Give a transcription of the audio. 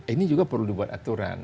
ini juga perlu dibuat aturan